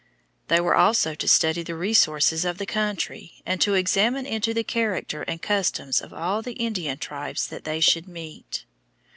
They were also to study the resources of the country, and to examine into the character and customs of all the Indian tribes that they should meet.